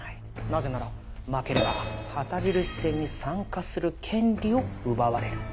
なぜなら負ければ旗印戦に参加する権利を奪われる。